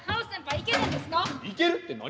いけるって何？